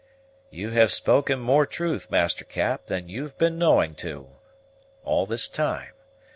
"You have spoken more truth, Master Cap, than you've been knowing to, all this time.